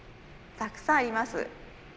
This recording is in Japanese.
たくさんあります。